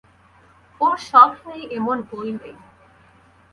ওঁর শখ নেই এমন বই নেই।